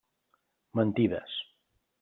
Mentides.